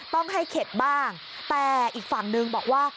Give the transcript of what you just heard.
ต้องให้เข็ดบ้างแต่อีกฝั่งนึงบอกว่า